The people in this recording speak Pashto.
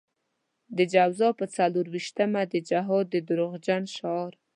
د جوزا په څلور وېشتمه د جهاد د دروغجن شعار.